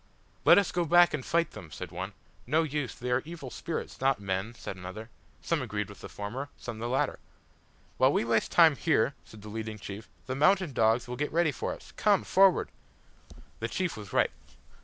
"Let us go back and fight them," said one. "No use, they are evil spirits not men," said another. Some agreed with the former some with the latter. "While we waste time here," said the leading chief, "the mountain dogs will get ready for us. Come! Forward!" The chief was right.